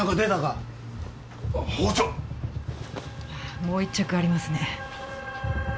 もう１着ありますね。